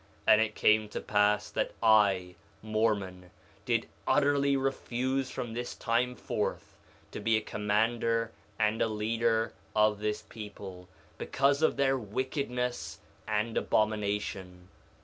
3:11 And it came to pass that I, Mormon, did utterly refuse from this time forth to be a commander and a leader of this people, because of their wickedness and abomination.